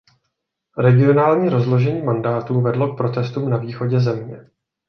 Regionální rozložení mandátů vedlo k protestům na východě země.